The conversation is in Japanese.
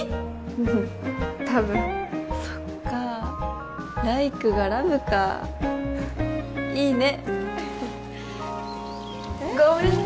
うん多分そっかライクがラブかいいねごめんね